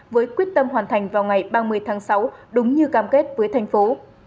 với quyết tâm hoàn thành vào ngày ba mươi tháng sáu đúng như cam kết với thành phố